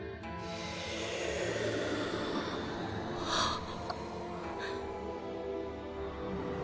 あ！あ。